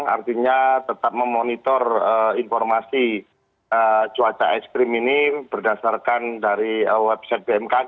artinya tetap memonitor informasi cuaca ekstrim ini berdasarkan dari website bmkg